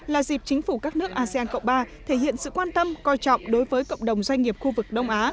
là dịp chính phủ các nước asean cộng ba thể hiện sự quan tâm coi trọng đối với cộng đồng doanh nghiệp khu vực đông á